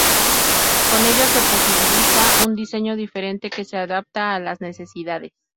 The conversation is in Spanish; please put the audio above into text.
Con ello, se posibilita un diseño diferente que se adapta a las necesidades.